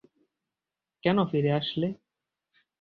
কেন ফিরে আসলে?